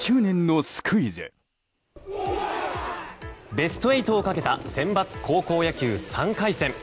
ベスト８をかけたセンバツ高校野球３回戦。